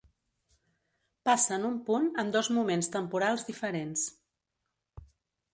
Passen un punt en dos moments temporals diferents.